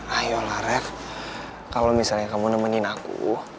ayolah ref kalo misalnya kamu nemenin aku